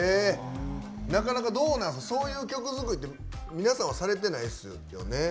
なかなかそういう曲作りって皆さんはされてないですよね？